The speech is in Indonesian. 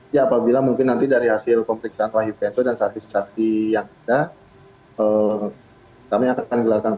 ya apabila mungkin nanti dari hasil pemeriksaan wahyu peso dan saksi saksi yang ada kami akan gelarkan